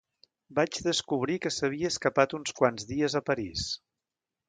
Vaig descobrir que s’havia escapat uns quants dies a París.